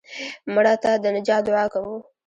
مړه ته د نجات دعا کوو